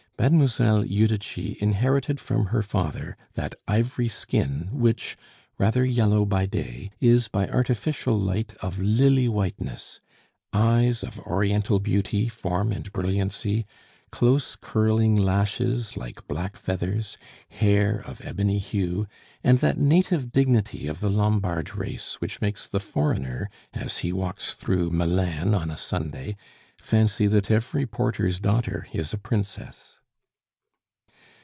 Mademoiselle Judici inherited from her father that ivory skin which, rather yellow by day, is by artificial light of lily whiteness; eyes of Oriental beauty, form, and brilliancy, close curling lashes like black feathers, hair of ebony hue, and that native dignity of the Lombard race which makes the foreigner, as he walks through Milan on a Sunday, fancy that every porter's daughter is a princess.